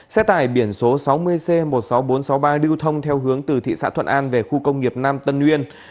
xe tải biển số sáu mươi c một mươi sáu nghìn bốn trăm sáu mươi ba lưu thông theo hướng từ thị xã thuận an về khu công nghiệp nam tân uyên